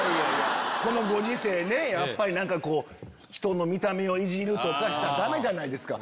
このご時世ねひとの見た目をイジるとかしたらダメじゃないですか。